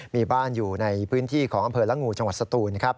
มีบ้านอยู่ในพื้นที่ของอำเภอละงูจังหวัดสตูนนะครับ